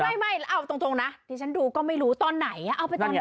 ไม่เอาตรงนะที่ฉันดูก็ไม่รู้ตอนไหนเอาไปตอนไหน